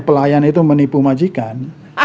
pelayan itu menipu majikan